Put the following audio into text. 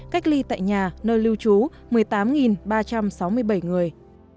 cách ly tại nhà nơi lưu trú một mươi tám ba trăm sáu mươi bảy người